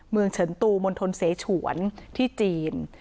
เฉินตูมณฑลเสฉวนที่จีน